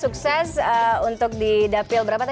sukses untuk di dapil berapa